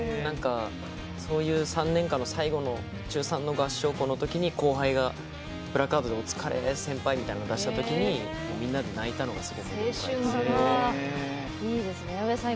そういう３年間の最後の中３の合唱コンの時に後輩が、プラカードで「お疲れ！先輩」みたいなの出したのがみんなで泣いたのがすごい思い出ですね。